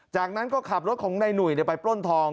จากนั้นก็ขับรถของนายหนุ่ยไปปล้นทอง